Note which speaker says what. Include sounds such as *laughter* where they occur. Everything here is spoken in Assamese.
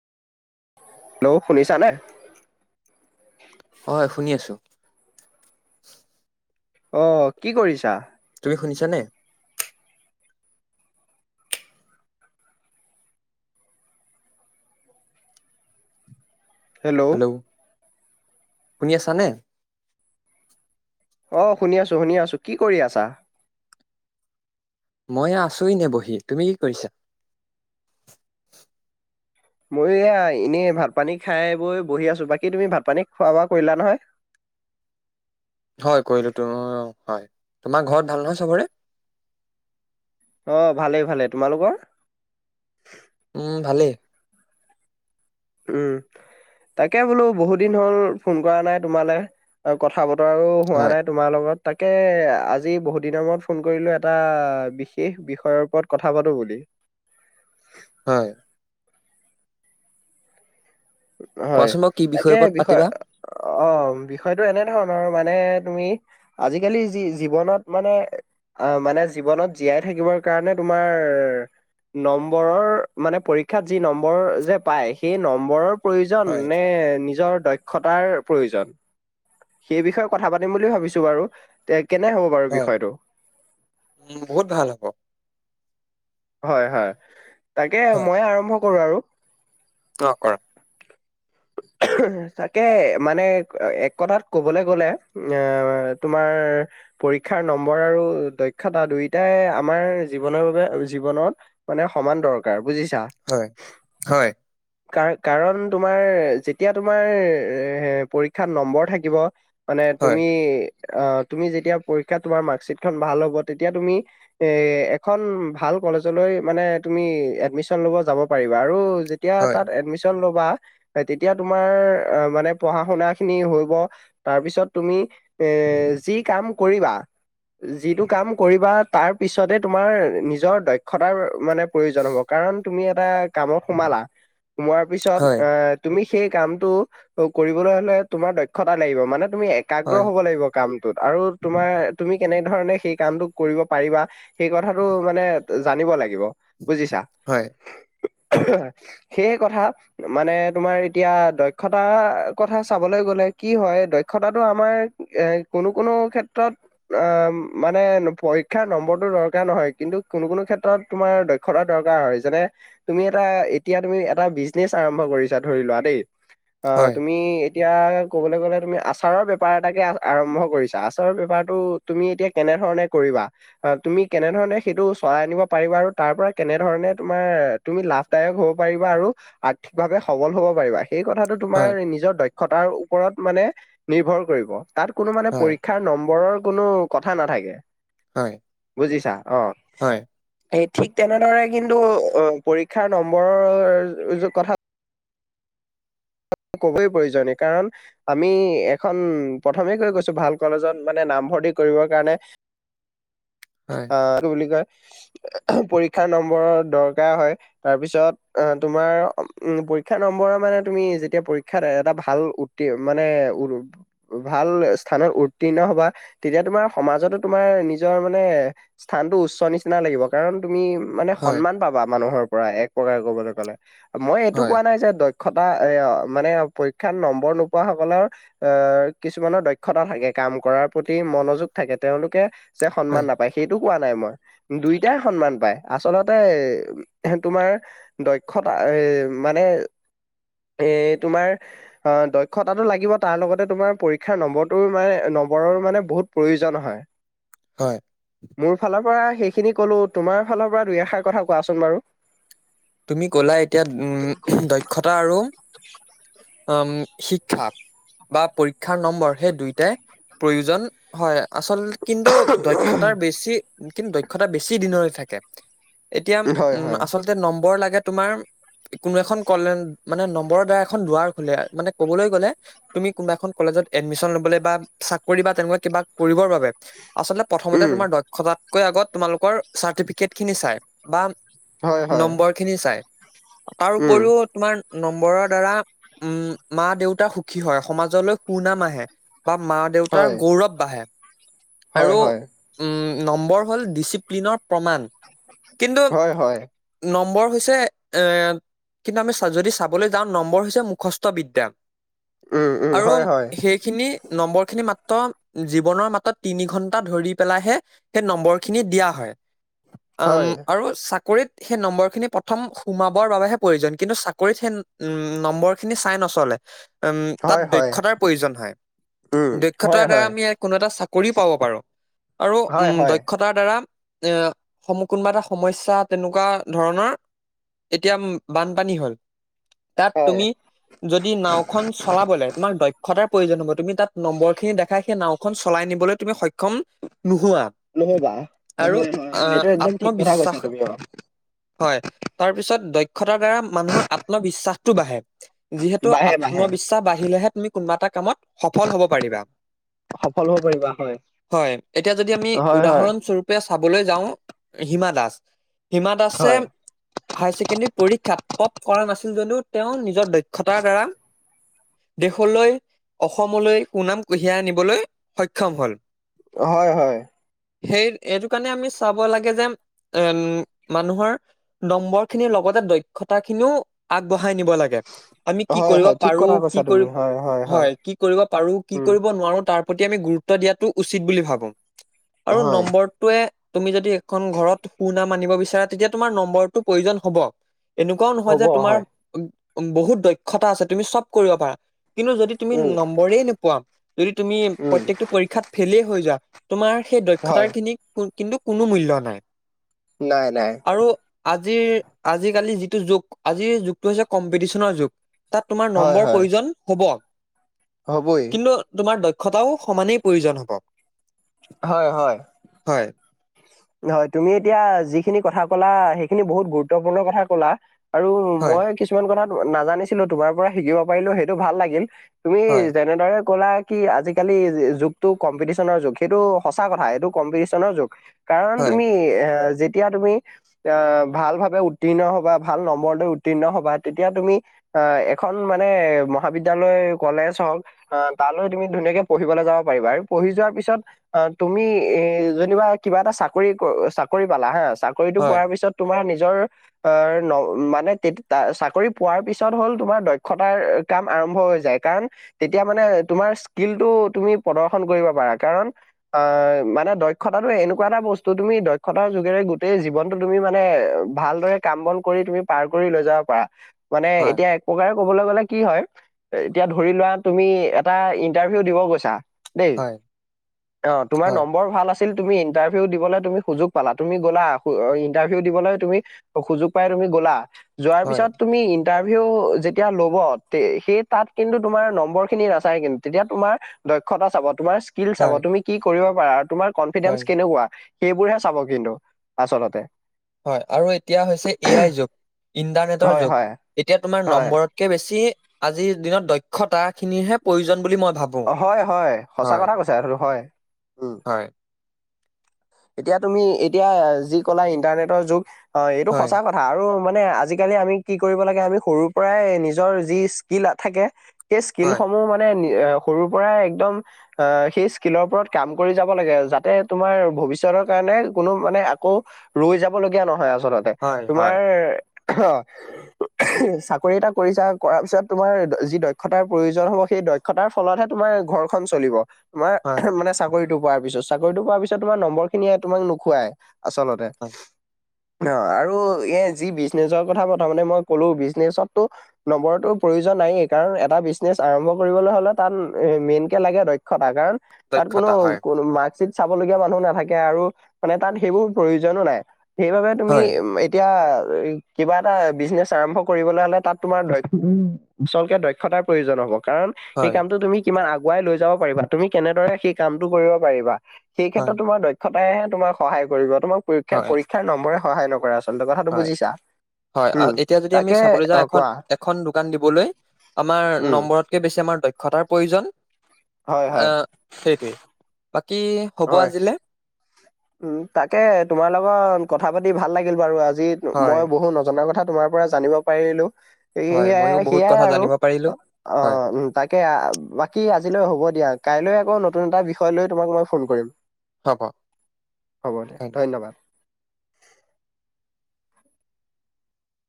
Speaker 1: হেল্ল'। শুনিছানে?
Speaker 2: হয়, শুনি আছো।
Speaker 1: অ, কি কৰিছা?
Speaker 2: শুনিছ নে?
Speaker 1: হেল্ল'।
Speaker 2: শুনি আছানে?
Speaker 1: অ, শুনি আছো, শুনি আছো কি কৰি আছা?
Speaker 2: মই আছোৱই এনে বহি। তুমি কি কৰিছা?
Speaker 1: ময়ো এয়া এনে ভাত-পানী খাই বৈ বহি আছো। বাকী তুমি ভাত পানী খোৱা-বোৱা কৰিলা নহয়?
Speaker 2: *unintelligible* হয় কৰিলো তো হয় তোমাৰ ঘৰত ভাল নহয় চবৰে।
Speaker 1: অ, ভালেই ভালেই তোমালোকৰ?
Speaker 2: উম, ভালেই।
Speaker 1: উম, তাকে বোলো বহুত দিন হ'ল ফোন কৰা নাই তোমালে। আৰু কথা ব বতৰা আৰু হোৱা
Speaker 2: হয়
Speaker 1: নাই তোমাৰ লগত। তাকে আজি বহুত দিনৰ মূৰত ফোন কৰিলো এটা বিশেষ বিষয়ৰ ওপৰত কথা পাতো বুলি।
Speaker 2: *inaudible* হয়
Speaker 1: হয়,
Speaker 2: কোৱাচোন বাৰু কি
Speaker 1: তাকে
Speaker 2: বিষয়ৰ ওপৰত
Speaker 1: বিষয়
Speaker 2: পাতিবা
Speaker 1: অ বিষয়টো এনে ধৰণৰ মানে তুমি আজিকালি যি জীৱনত মানে আহ, মানে জীৱনত জীয়াই থাকিবৰ কাৰণে তোমাৰ নম্বৰৰ মানে পৰীক্ষাত যি নম্বৰ যে পায় সেই নম্বৰৰ প্ৰয়োজন
Speaker 2: হয়
Speaker 1: নে নিজৰ দক্ষতাৰ প্ৰয়োজন? সেই বিষয়ে কথা পাতিম বুলি ভাবিছো বাৰু। তে কেনে হ'ব বাৰু
Speaker 2: হয়
Speaker 1: বিষয়টো?
Speaker 2: উম, বহুত ভাল হ'ব
Speaker 1: হয়, হয় তাকে
Speaker 2: হয়
Speaker 1: মই আৰম্ভ কৰোঁ আৰু।
Speaker 2: অ, কৰা।
Speaker 1: তাকে মানে এক কথাত ক'বলৈ গ'লে এ তোমাৰ পৰীক্ষাৰ নম্বৰ আৰু দক্ষতা দুয়টাই আমাৰ জীৱনৰ বাবে জীৱনত মানে সমান দৰকাৰ বুজিছা।
Speaker 2: হয় হয়
Speaker 1: কাৰ কাৰণ তোমাৰ যেতিয়া তোমাৰ এ পৰীক্ষাত নম্বৰ থাকিব মানে,
Speaker 2: হয়
Speaker 1: তুমি অ, তুমি যেতিয়া পৰীক্ষা তোমাৰ মাৰ্কশ্বিট খ ভাল হ'ব, তেতিয়া তুমি এ এখন ভাল কলেজৰলৈ মানে তুমি এডমিশ্যন যাব পাৰিবা আৰু যেতিয়া
Speaker 2: হয়
Speaker 1: তাত এডমিশ্যন ল'ব তেতিয়া তোমাৰ মানে পঢ়া শুনা খিনি হৈব। তাৰপিছত তুমি, এ, যি কাম কৰিবা যিটো কাম কৰিবা তাৰ পিছতে তোমাৰ নিজৰ দক্ষ খতাৰ মানে প্ৰয়োজন হ'ব। কাৰণ, তুমি এটা কামত সোমালা। সোমোৱাৰ পিছত
Speaker 2: হয়
Speaker 1: অ' তুমি সেই কামতটো কৰিবলৈ হলে তোমাৰ দক্ষতা লাগিব মানে। তুমি একাগ্ৰ
Speaker 2: হয়
Speaker 1: হ'ব লাগিব কামটোত। আৰু তোমাৰ তুমি কেনে ধৰণে সেই কামতটো কৰিব পাৰিবা সেই কথাটো মানে জানিব লাগে। বুজিছা?
Speaker 2: হয়
Speaker 1: সেইয়ে কথা মানে তোমাৰ এতিয়া দক্ষতা কথা চাবলৈ লে কি হয় দক্ষতাটো আমাৰ এ কোনো কোনো ক্ষেত্ৰত অ মানে পৰীক্ষাৰ নম্বৰটো দৰকাৰ নহয়। কিন্তু, কোনো-কোনো ক্ষেত্ৰত তোমাৰ দক্ষতা দৰকাৰ হয়। যেনে, তুমি এটা এতিয়া তুমি এটা বিজনেচ আৰম্ভ। ধৰি লোৱা দেই অ
Speaker 2: হয়
Speaker 1: তুমি এতিয়া ক'বলৈ গ'লে তুমি আচাৰৰ বেপাৰ এটাকে আৰম্ভ কৰিছা আচাৰৰ বেপাৰটো তুমি এতিয়া কেনে ধৰণে কৰিবা তুমি কেনেধৰণে সেইটো চলাই আ নিব পাৰিবা আৰু তাৰ পৰা কেনেধৰণে তোমাৰ তুমি লাভদায়ক হ'ব পাৰিবা আৰু আৰ্থিকভাৱে সবল হব পাৰিবা সেই কথাটো তোমাৰ
Speaker 2: হয়
Speaker 1: নিজৰ দক্ষতাৰ ওপৰত মানে নিৰ্ভৰ কৰিব। তাত কোনো মানে
Speaker 2: হয়
Speaker 1: পৰীক্ষাৰ নম্বৰৰ কোনো কথা নাথাকে।
Speaker 2: হয় হয়
Speaker 1: বুজিছা আহ।
Speaker 2: হয়
Speaker 1: এই ঠিক তেনেদৰে কিন্তু পৰীক্ষাৰ নম্বৰৰ কথা। কবই প্ৰয়োজন ন কাৰণ আমি এখন প্ৰথমে কৈ গৈছো ভাল কলেজত মানে। নামভৰ্তি কৰিবৰ কাৰণে আহ কি বুলি কয়।
Speaker 2: *inaudible*
Speaker 1: পৰীক্ষা নম্বৰ দৰকাৰ হয় তাৰ পিছত আহ তোমাৰ উ পৰীক্ষা নম্বৰ মানে তুমি যেতিয়া পৰীক্ষাত এটা ভাল উ মানে ভাল স্থানত উত্তীণ হবা তেতিয়া তোমাৰ সমাজতো তোমাৰ নিজৰ মানে স্থানতো উচ্চ নিচিনা লাগিব কাৰণ তুমি মানে
Speaker 2: হয়
Speaker 1: সন্মান পাবা মানুহৰ পৰা এক প্ৰকাৰে কবলৈ গলে মই এইটো
Speaker 2: হয়
Speaker 1: কোৱা নাই যে দক্ষ এ মানে পৰীক্ষাত নম্বৰ নোপোৱা সকলৰ আহ কিছুমানৰ দক্ষতা থাকে কাৰণ কাম কৰাৰ প্ৰতি মনোযোগ থাকে তেওঁলোকে যে সন্মান
Speaker 2: হয়
Speaker 1: নাপায় সেইটো পোৱা নাই মই দুইটাই সন্মান পাই আচলতে তোমাৰ দক্ষতা এ মানে
Speaker 2: *unintelligible*
Speaker 1: এ তোমাৰ অ দক্ষতাটো লাগিব তাৰ লগতে তোমাৰ পৰীক্ষাৰ নম্বৰটোও মানে নম্বৰৰ মানে বহুত প্ৰয়োজন হয়।
Speaker 2: হয়
Speaker 1: মোৰ ফালৰ পৰা সেইখিনি কলো তোমাৰ ফালৰ পৰা দুই এষাৰ কথা কোৱাচোন বাৰু
Speaker 2: তুমি কলা এতিয়া উম দক্ষতা আৰু উম শিক্ষা বা পৰীক্ষাৰ নম্বৰ সেই দুইটাই প্ৰয়োজন হয় আচল কিন্তু দক্ষতাৰ বেছি কিন্তু দক্ষতা বেছি দিনলৈ থাকে এতিয়া
Speaker 1: হয়
Speaker 2: উ
Speaker 1: হয়
Speaker 2: আচলতে নম্বৰ লাগে তোমাৰ কোনো এখন কলে মানে নম্বৰৰ দ্বাৰা এখন দুৱাৰ খোলে মানে কবলৈ গ'লে তুমি কোনোবা এখন কলেজ এডমিশন লবলে বা চাকৰি বা তেনেকুৱা কিবা কৰিবৰ বাবে। আচল প্ৰথমতে
Speaker 1: উম
Speaker 2: তোমাৰ দক্ষতাতকৈ আগত তোমালোকৰ চাৰ্টিফিকেট খিনি চাই বা।
Speaker 1: হয়, হয়।
Speaker 2: চ তাৰ
Speaker 1: উম
Speaker 2: উপৰিও তোমাৰ। নম্বৰৰ দ্বাৰা উম মা দেউতা সুখী হয় সমাজলৈ সুনাম আহে। বা মা দেউতাৰ
Speaker 1: হয়
Speaker 2: গৌৰৱ বাঢ়ে।
Speaker 1: হয়
Speaker 2: আৰু
Speaker 1: হয়
Speaker 2: উম নম্বৰ হ'ল ডিচিপ্লিনৰ প্ৰমাণ। কিন্তু
Speaker 1: হয় হয়।
Speaker 2: নম্বৰ এ কিন্তু আমি যদি চাবলৈ যাওঁ নম্বৰ হৈছে মুখস্থ বিদ্যা।
Speaker 1: উম উম
Speaker 2: আৰু
Speaker 1: হয় হয়
Speaker 2: সেইখিনি নম্বৰ খিনি মাত। জীৱনৰ মাতত তিনি ঘন্টা ধৰি পেলাইহে সেই নম্বৰ খিনি দিয়া হয়।
Speaker 1: হয়
Speaker 2: আৰু চাকৰিত সেই নম্বৰ খিনি। প্ৰথম সোমাবৰ বাবেহে প্ৰয়োজন কিন্তু চাকৰিত সেই নম্বৰ খিনি চাই নচলে। উম তাত
Speaker 1: হয় হয়
Speaker 2: দক্ষতাৰ প্ৰয়োজন হয়।
Speaker 1: উম হয়
Speaker 2: দক্ষতাৰ দ্বাৰা
Speaker 1: হয়
Speaker 2: আমি কোনো এটা চাকৰিও পাব পাৰো আৰু
Speaker 1: হয়
Speaker 2: উম
Speaker 1: হয়
Speaker 2: দক্ষতাৰ দ্বাৰা। এ সম কোনোবা এটা সমস্যা তেনেকুৱা ধৰণৰ। এতিয়া, বানপানী হ'ল। তাত
Speaker 1: হয়
Speaker 2: তুমি যদি নাও খন চলাবলে, তোমাক দক্ষতাৰ প্ৰয়োজন হ'ব। তুমি তাত নম্বৰ খিনি দেখাই, সেই নাও খন চলাই নিবলৈ তুমি সক্ষম নোহোৱা
Speaker 1: নহয়বা হয়
Speaker 2: আৰু
Speaker 1: হয় হয় এইটো একদম ঠিক কথা কৈছা
Speaker 2: আত্মবিশ্বাস
Speaker 1: তুমি অ
Speaker 2: হয়। তাৰপিছত, দক্ষতাৰ দ্বাৰা মানুহৰ আত্মবিশ্বাসটো বাঢ়ে। যিহেতু,
Speaker 1: বাঢ়ে বাঢ়ে
Speaker 2: আত্মবিশ্বাস বাঢ়িলেহে তুমি, কোনোবা এটা কামত সফল হ'ব পাৰিবা।
Speaker 1: সফল হব পাৰিবা। হয়।
Speaker 2: হয়। এতিয়া যদি আমি,
Speaker 1: হয় হয়।
Speaker 2: উদাহৰণস্বৰূপে চাবলৈ যাওঁ হিমা দাস। হিমা দাসে
Speaker 1: হয়।
Speaker 2: হাই ছেকেণ্ডৰী পৰীক্ষাত টপ কৰা নাছিল যদিও, তেওঁ নিজৰ দক্ষতাৰ দ্বাৰা দেশলৈ, অসমলৈ সুনাম কঢ়িয়াই আনবলৈ সক্ষম হ'ল।
Speaker 1: হয়, হয়।
Speaker 2: সেই, এইটো কাৰণে, আমি চাব লাগে যে, উম! মানুহৰ নম্বৰ খিনিৰ লগতে দক্ষতা খিনিও আগবঢ়া বঢ়াই নিব লাগে। আমি কি
Speaker 1: হয়
Speaker 2: কৰিব
Speaker 1: হয় ঠিক
Speaker 2: পাৰোঁ,
Speaker 1: কথা
Speaker 2: কি
Speaker 1: কৈছা
Speaker 2: কৰি
Speaker 1: তুমি হয়
Speaker 2: হয়, কি কৰিব পাৰোঁ, কি
Speaker 1: উম
Speaker 2: কৰিব নোৱাৰোঁ তাৰ প্ৰতি আমি গুৰুত্ব দিয়াটো উচিত বুলি ভাবোঁ আৰু
Speaker 1: হয়।
Speaker 2: নম্বৰটোৱে তুমি যদি এখন ঘৰত সুনাম আনিব বিচাৰা, তেতিয়া, তোমাৰ নম্বৰটো প্ৰয়োজন হ'ব। এনেকুৱাও নহয়
Speaker 1: হ'ব
Speaker 2: যে, তোমাৰ
Speaker 1: হয়।
Speaker 2: বহুত দক্ষতা আছে, তুমি চব কৰিব পাৰা। কিন্তু, যদি তুমি
Speaker 1: উম
Speaker 2: নম্বৰেই নোপোৱা। যদি তুমি,
Speaker 1: উম
Speaker 2: প্ৰত্যকটো পৰীক্ষাত ফেইলেই হৈ যোৱা তোমাৰ সেই দক্ষতা
Speaker 1: হয়
Speaker 2: খিনিক কিন্তু, কোনো মূল্য নাই।
Speaker 1: নাই, নাই।
Speaker 2: আৰু আজিৰ, আজিকালি যিটো যুগ, আজিৰ যুগটো হৈছে কম্পিটিচনৰ যুগ। তাত তোমাৰ
Speaker 1: হয়
Speaker 2: নম্বৰ
Speaker 1: হয়
Speaker 2: প্ৰয়োজন হ'ব।
Speaker 1: হ'বই
Speaker 2: কিন্তু, তোমাৰ দ ক্ষতাও সমানেই প্ৰয়োজন হ'ব।
Speaker 1: হয়, হয়।
Speaker 2: হয়
Speaker 1: হয়। তুমি, এতিয়া যিখিনি কথা ক'লা! সেইখিনি বহুত গুৰুত্বপূৰ্ণ কথা ক'লা। আৰু
Speaker 2: হয়
Speaker 1: মই কিছুমান কথা নাজানিছিলোঁ, তোমাৰ পৰা শিকিব পাৰিলোঁ সেইটো ভাল লাগিল। তুমি
Speaker 2: হয়
Speaker 1: যেনেদৰে ক'লা, কি আজিকালি যুগটো কম্পিটিশনৰ যুগ, সেইটো সঁচা কথা এইটো কম্পিটিশনৰ যুগ। কাৰণ
Speaker 2: হয়
Speaker 1: তুমি এ' যেতিয়া তুমি আঁ ভাল ভাৱে উত্তীৰ্ণ হ'বা, ভাল নম্বৰটো উত্তীৰ্ণ হ'বা। তেতিয়া, তুমি এ, এখন মানে, মহাবিদ্যালয়, কলেজ হওঁক আঁ তালৈ তুমি ধুনীয়াকে পঢ়িবলৈ যা যাব পাৰিবা। পঢ়ি যোৱাৰ পিছত তুমি এ, যেনিবা কিবা এটা চাকৰি, চাকৰি পালা হা। চাকৰিটো
Speaker 2: হয়
Speaker 1: পোৱাৰ পিছত তোমাৰ নিজ নিজৰ অৰ মানে, চাকৰি পোৱাৰ পিছত হ'ল তোমাৰ দক্ষতাৰ কাম আ আৰম্ভ হৈ যায়। কাৰণ, তেতিয়া মানে, তোমাৰ ইছকিলটো তুমি প্ৰদৰ্শন কৰিব পাৰা। কাৰণ অ'! মানে, দক্ষতাটো এনেক এনেকুৱা এটা বস্তু। তুমি দক্ষতাৰ যুগেৰে গোটেই জীৱনটো তুমি মানে, ভালদৰে কাম বন কৰি তুমি পাৰ কৰি লৈ যাব পাৰা। মানে,
Speaker 2: হয়
Speaker 1: এতিয়া এক প্ৰকাৰ কবলৈ গলে কি হয় এতিয়া ধৰি লোৱা তুমি এটা ইন্টাৰভিউ দিব গৈছা। দেই
Speaker 2: হয়
Speaker 1: অ তোমাৰ
Speaker 2: হয়,
Speaker 1: নম্বৰ ভাল আছিল তুমি ইনটাৰ। ভিউ দিবলৈ তুমি সুযোগ পালা তুমি গলা ইণ্টাৰভিউ দিবলৈ তুমি সুযোগ পাই তুমি গলা। যোৱাৰ
Speaker 2: হয়,
Speaker 1: পিছত তুমি। ইন্টাৰভিউ যেতিয়া লব সেই তাত কিন্তু তমাৰ নম্বৰ খিনি নাচাই তেতিয়া তোমা। দক্ষতা চাব তোমাৰ স্কিল চাব
Speaker 2: হয়,
Speaker 1: তুমি কি কৰিব পাৰা আৰু তোমাৰ কনফিডেন্স
Speaker 2: হয়,
Speaker 1: কেনেকুৱা। সেইবোৰহে চাব কিন্তু আচলতে।
Speaker 2: হয় আৰু এতিয়া হৈছে এ আই যুগ। ইণ্টাৰনেটৰ
Speaker 1: হয়
Speaker 2: যুগ
Speaker 1: হয়
Speaker 2: এতিয়া তোমাৰ
Speaker 1: হয়
Speaker 2: নম্বৰতকে বেছি। আজিৰ দিনত দক্ষতা খিনিহে প্ৰয়োজন বুলি মই। ভাবো।
Speaker 1: হয় হয় সচা
Speaker 2: হয়,
Speaker 1: কথা কৈছা এটো হয় উম।
Speaker 2: হয়,
Speaker 1: এতিয়া তুমি এতিয়া যি ক'লা ইণ্টাৰনেটৰ যুগ অ এইটো
Speaker 2: হয়,
Speaker 1: সঁচা কথা আৰু। মানে আজিকালি আমি কি কৰিব লাগে আমি সৰুৰ পৰাই নিজৰ যি স্কিল থাকে। ইেই
Speaker 2: হয়,
Speaker 1: স্কিলসমূহ মানে। সৰুৰ পৰাই একদম সেই স্কিলৰ ওপৰত কাম কৰি যাব লাগে যাতে তোমাৰ ভৱিষ্যতৰ কাৰণে মানে কোনো মানে আকৌ ৰৈ যাব লগীয়া নহয় আচলতে
Speaker 2: হয়, হয়,
Speaker 1: তোমাৰ অ। চাকৰি এটা কৰিছা কৰাৰ পিছত তোমাৰ যি দক্ষতাৰ প্ৰয়োজন হ'ব সেই দক্ষতাৰ। ফলতহে তোমাৰ ঘৰখন চলিব তোমাৰ
Speaker 2: হয়,
Speaker 1: মানে চাকৰি। পোৱাৰ পিছত চাকৰিতটো পোৱাৰ পিছত তোমাৰ নম্বৰ খিনিয়ে তোমাক নোখুৱাই আচলতে।
Speaker 2: হয়।
Speaker 1: অ আৰু এ যি বিজনেচৰ কথা প্ৰথমতে মই ক'লো বিজনেচতটো নম্বৰো প্ৰয়োজন। নায়েই কাৰণ এটা বিজনেছ আৰম্ভ কৰিবলৈ হ'লে। তাত মেইন কে লাগে দক্ষতা কাৰণ তাত কোনো
Speaker 2: দক্ষতা হয়,
Speaker 1: কোনো মাক চাবলগীয়া মানুহ নাথাকে আৰু মানে তাত সেইবোৰ প্ৰয়োজনো নাই সেইবাবে তুমি
Speaker 2: হয়,
Speaker 1: উ এতিয়া। কিবা এটা বিজনেচ আৰম্ভ কৰিবলৈ হলে তাত তোমাৰ দক্ষ আচলকে দক্ষতাৰ প্ৰয়োজন হয়। কাৰণ সেই
Speaker 2: হয়,
Speaker 1: কামটো তুমি কিমান আগুৱাই লৈ যাব পাৰিবা তুমি কেনেদৰে সেই কামটো কৰিব পাৰিবা। সেই
Speaker 2: হয়,
Speaker 1: ক্ষেত্ৰত তোমাৰ দক্ষতাইহে তোমাৰ সহায় কৰিব তোমাৰ পৰ
Speaker 2: হয়,
Speaker 1: পৰীক্ষাৰ নম্বৰে সহায় নকৰা। কথাটো
Speaker 2: হয়,
Speaker 1: বুজিছা।
Speaker 2: হয় এতিয়া যদি আমি
Speaker 1: তাকে
Speaker 2: চাবলৈ
Speaker 1: অ
Speaker 2: যাওঁ
Speaker 1: কোৱা
Speaker 2: এ দোকান দিবলৈ আমাৰ
Speaker 1: উম
Speaker 2: নম্বৰতকে বেছি আমাৰ দক্ষ। ঘটাৰ প্ৰয়োজন
Speaker 1: হয় হয়
Speaker 2: আহ সেইটোৱেই। কি হ'ব আজিলে।
Speaker 1: উ তাকে তোমাৰ লগত কথা পাতি ভাল লাগিল বাৰু আজি
Speaker 2: হয়।
Speaker 1: মই বহুত নজনা কথা। তোমাৰ পৰা জানিব পাৰিলোঁ। স
Speaker 2: হয় ময়ো
Speaker 1: সেয়াই
Speaker 2: বহুত
Speaker 1: সেয়াই
Speaker 2: কথা
Speaker 1: আৰু
Speaker 2: জানিব পাৰিলো হয়
Speaker 1: অ তাকে বাকী আজিলৈ হ'ব। দতিয়া কাইলৈ আকৌ নতুন এটা বিষয় লৈ তোমাক মই ফোন কৰিম।
Speaker 2: হ পা।
Speaker 1: হ'ব দে ধন্যবাদ।